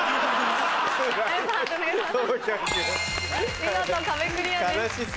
見事壁クリアです。